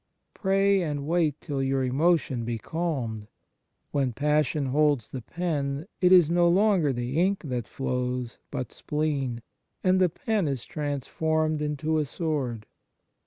Pray and wait till your emotion be calmed. When passion holds the pen, it is no longer the ink that flows, but spleen, and the pen is transformed into a sword.